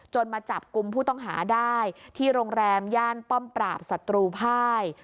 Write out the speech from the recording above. มาจับกลุ่มผู้ต้องหาได้ที่โรงแรมย่านป้อมปราบศัตรูภาย